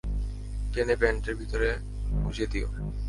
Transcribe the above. টেনে প্যান্টের ভিতরে গুজে দিও।